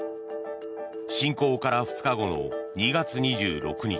侵攻から２日後の２月２６日